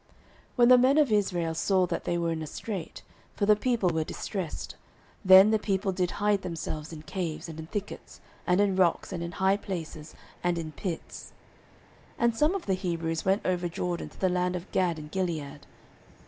09:013:006 When the men of Israel saw that they were in a strait, (for the people were distressed,) then the people did hide themselves in caves, and in thickets, and in rocks, and in high places, and in pits. 09:013:007 And some of the Hebrews went over Jordan to the land of Gad and Gilead.